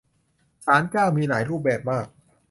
ศาลเจ้า มีหลายรูปแบบมาก